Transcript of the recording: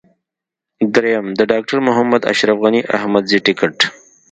درېم: د ډاکټر محمد اشرف غني احمدزي ټکټ.